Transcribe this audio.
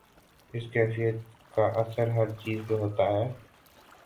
اس کیفیت کا اثر ہر چیز پہ ہوتا ہے۔